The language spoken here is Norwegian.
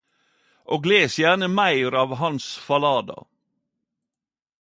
Og les gjerne meir av Hans Fallada.